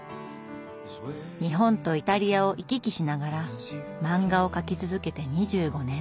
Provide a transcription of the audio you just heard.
日本とイタリアを行き来しながら漫画を描き続けて２５年。